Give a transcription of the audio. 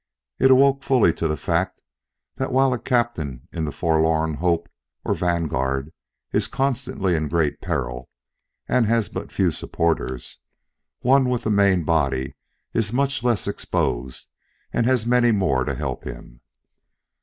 It awoke fully to the fact that while a captain in the forlorn hope or vanguard is constantly in great peril, and has but few supporters, one with the main body is much less exposed and has many more to help him.